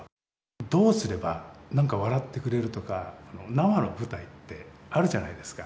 どうすればなんか笑ってくれるとか、生の舞台ってあるじゃないですか。